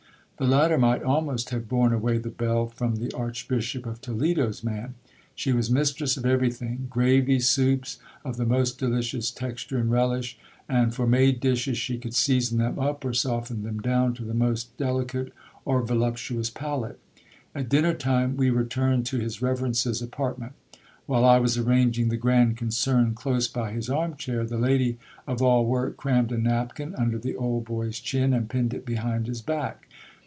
The latter might almost have borne away the bell from the archbishop of Toledo's man. She was mistress of everything ; gravy soups, of the most delicious texture and relish ; and, for made dishes, she could season them up or soften them down to the most deli cate or voluptuous palate. At dinner time we returned to his reverence's apart ment. While I was arranging the grand concern close by his arm chair, the lady of all work crammed a napkin under the old boy's chin, and pinned it be hind his back.